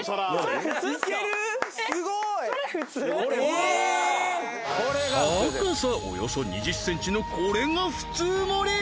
えっ高さおよそ２０ｃｍのこれが普通盛